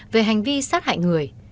về hành vi sát hại người